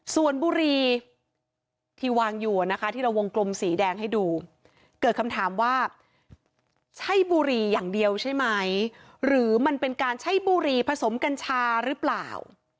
ส่วนบุรีที่วางอยู่นะคะที่เราวงกลมสีแดงให้ดูเกิดคำถามว่าใช่บุรีอย่างเดียวใช่ไหมหรือมันเป็นการใช้บุรีผสมกัญชาหรือเปล่า